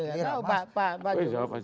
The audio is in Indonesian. gak tahu pak jokowi